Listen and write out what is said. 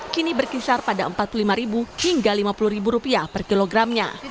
kini berkisar pada rp empat puluh lima hingga rp lima puluh per kilogramnya